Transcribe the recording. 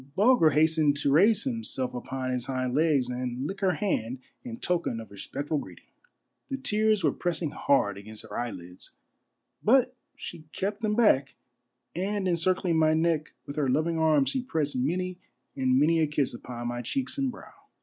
Bulger hastened to raise himself upon his hind legs and lick her hand in token of respectful greeting. The tears were pressing hard against her eyelids, but she kept them back, and encircling my neck with her loving arms, she pressed many and many a kiss upon my cheeks and brow.